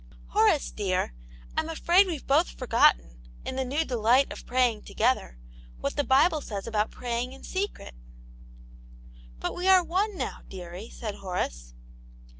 "Horace dear, Tm afraid weVe both forgotten, in the new delight of praying together, what the Bible says about praying in secret." " But we are one now, dearie," said Horace.